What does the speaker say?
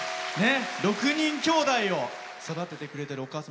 ６人きょうだいを育ててくれてるお母様